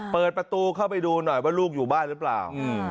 เปิดประตูเข้าไปดูหน่อยว่าลูกอยู่บ้านหรือเปล่า